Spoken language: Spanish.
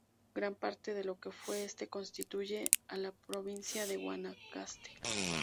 Gran parte de lo que fue este constituye la provincia de Guanacaste.